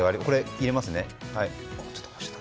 入れますね。